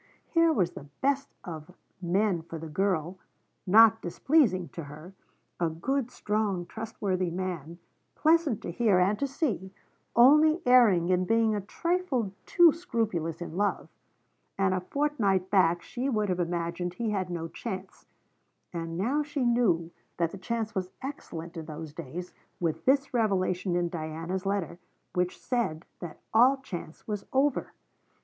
Here was the best of men for the girl, not displeasing to her; a good, strong, trustworthy man, pleasant to hear and to see, only erring in being a trifle too scrupulous in love: and a fortnight back she would have imagined he had no chance; and now she knew that the chance was excellent in those days, with this revelation in Diana's letter, which said that all chance was over.